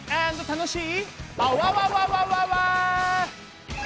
楽しい！